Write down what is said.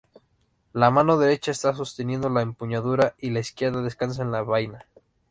La mano derecha está sosteniendo la empuñadura y la izquierda descansa en la vaina.